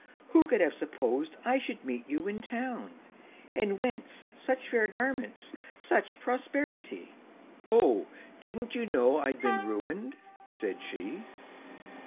Who could have supposed I should meet you in Town? And whence such fair garments, such prosperi ty?"— "O didn't you know I'd been ruined?" said she.